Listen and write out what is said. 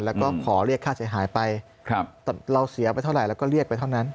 แล้วก็ขอเรียกค่าเสียหายไปแต่เราเสียไปเท่าไหร่เราก็เรียกไปเท่านั้น